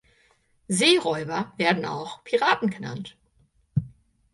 Seeräuber werden auch Piraten genannt.